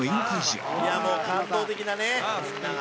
「いやあもう感動的なね」